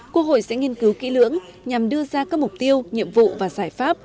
quốc hội sẽ nghiên cứu kỹ lưỡng nhằm đưa ra các mục tiêu nhiệm vụ và giải pháp